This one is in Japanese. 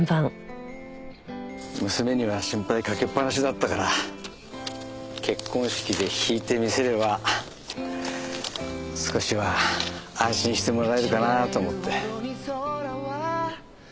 娘には心配かけっぱなしだったから結婚式で弾いてみせれば少しは安心してもらえるかなと思って。